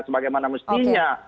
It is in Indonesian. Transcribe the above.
sebagai mana mestinya